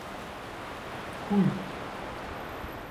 cujo